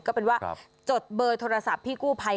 ก็เป็นว่าจดเบอร์โทรศัพท์พี่กู้ภัย